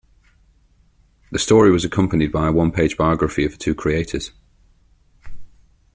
This story was accompanied by a one-page biography of the two creators.